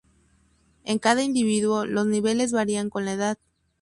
En cada individuo los niveles varían con la edad.